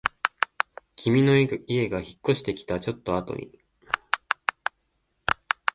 君の家が引っ越してきたちょっとあとに